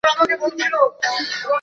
সারাক্ষণ রাসূলের আশেপাশে থাকেন।